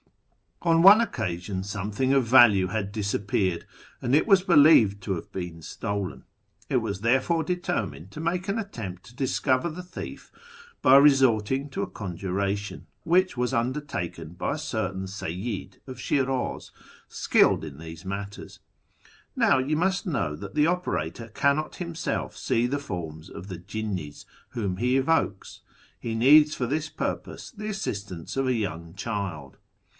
On one occasion something of value had i disappeared, and it was believed to have been stolen. It was , therefore determined to make an attempt to discover the thief' by resorting to a conjuration, which was undertaken by a j MYSTICISM, METAPHYSIC, AND MAGIC 147 certain Seyyid of SJiin'iz, skilled iu these matters. Now you must kuow that the operator cannot himself see the forms of the jinnis whom lie evokes : he needs for this purpose the assistance of a young child.